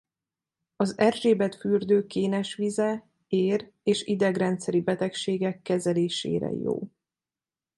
Az Erzsébet-fürdő kénes vize ér-és idegrendszeri betegségek kezelésére jó.